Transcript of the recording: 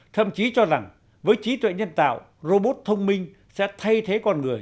thậm chí cho rằng với trí tuệ nhân tạo robot thông minh sẽ thay thế con người